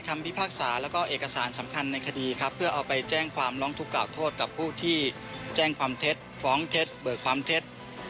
มีความร้องทุกข่าวโทษกับผู้ที่แจ้งความเท็จฟ้องเท็จเปิดความเท็จ